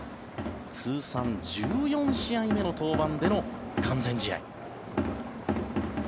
通算１４試合目の登板での完全試合。